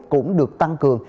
cũng được tăng cường